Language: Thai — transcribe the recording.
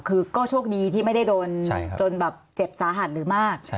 คือก็โชคดีที่ไม่ได้โดนจนแบบเจ็บสาหัสหรือมาก